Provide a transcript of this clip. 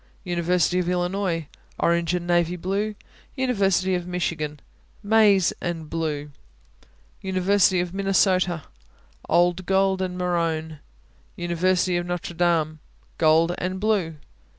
University of Illinois Orange and navy blue. University of Michigan Maize and blue. University of Minnesota Old gold and maroon. University of Notre Dame Gold and blue.